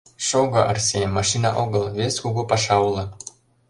Шого, Арси, машина огыл, вес кугу паша уло.